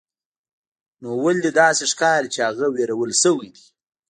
نو ولې داسې ښکاري چې هغه ویرول شوی دی